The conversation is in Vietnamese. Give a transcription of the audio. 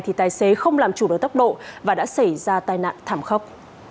thì tài xế không làm chủ được tốc độ và đã xảy ra tai nạn thảm khốc